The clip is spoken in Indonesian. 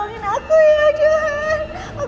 tolongin aku ya johan